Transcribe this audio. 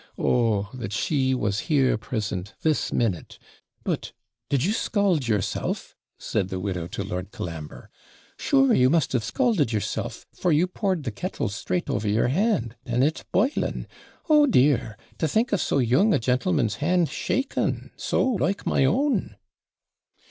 Oh, that she was here present, this minute! But did you scald yourself?' said the widow to Lord Colambre. 'Sure you must have scalded yourself; for you poured the kettle straight over your hand, and it boiling! O DEEAR! to think of so young a gentleman's hand shaking so like my own.